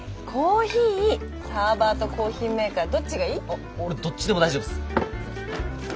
あっ俺どっちでも大丈夫です。